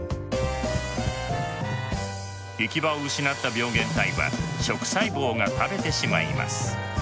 行き場を失った病原体は食細胞が食べてしまいます。